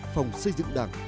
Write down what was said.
phòng xây dựng đảng